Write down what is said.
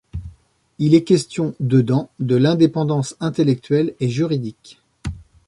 Il est question, dedans, de l'indépendance intellectuelle et juridique.